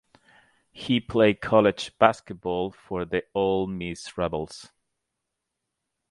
He played college basketball for the Ole Miss Rebels.